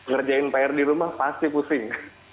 ngerjain pr di rumah pasti pusing